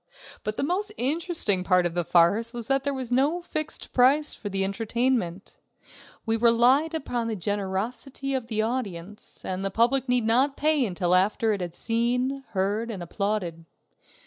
But the most interesting part of the farce was that there was no fixed price for the entertainment. We relied upon the generosity of the audience, and the public need not pay until after it had seen, heard, and applauded.